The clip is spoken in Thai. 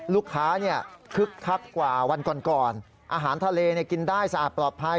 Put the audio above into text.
ลูกค้าคึกคักกว่าวันก่อนอาหารทะเลกินได้สะอาดปลอดภัย